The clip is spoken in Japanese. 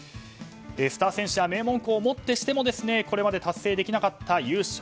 スター選手や名門校をもってしてもこれまで達成できなかった優勝。